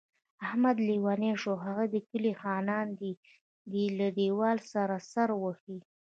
احمد لېونی شوی، هغوی د کلي خانان دي. دی له دېوال سره سر وهي.